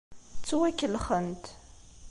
Ttwakellxent.